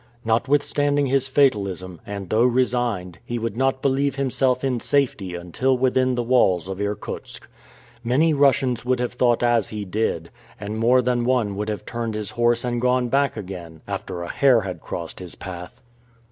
Notwithstanding his fatalism, and though resigned, he would not believe himself in safety until within the walls of Irkutsk. Many Russians would have thought as he did, and more than one would have turned his horse and gone back again, after a hare had crossed his path.